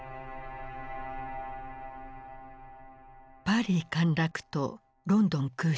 パリ陥落とロンドン空襲。